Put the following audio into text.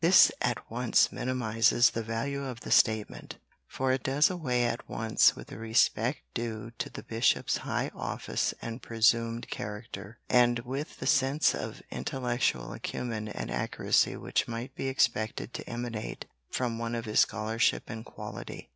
This at once minimises the value of the statement, for it does away at once with the respect due to the bishop's high office and presumed character, and with the sense of intellectual acumen and accuracy which might be expected to emanate from one of his scholarship and quality.